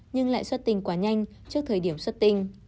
nhưng lại xuất tình quá nhanh trước thời điểm xuất tinh